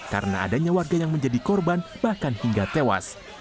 karena adanya warga yang menjadi korban bahkan hingga tewas